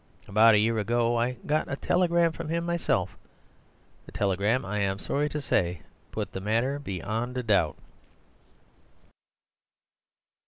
About a year ago I got a telegram from him myself. The telegram, I'm sorry to say, put the matter beyond a doubt."